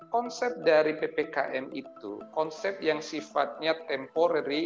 konsep dari ppkm itu konsep yang sifatnya temporary